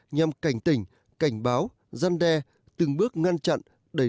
nhằm cảnh tỉnh cảnh báo gian đe từng bước ngăn chặn đẩy lùi